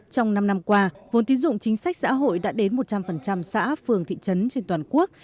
trong năm năm qua vốn tín dụng chính sách xã hội đã đến một trăm linh xã phường thị trấn trên toàn quốc